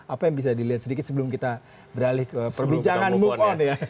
apa yang bisa dilihat sedikit sebelum kita beralih ke perbincangan move on ya